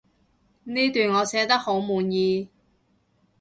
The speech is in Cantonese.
呢段我寫得好滿意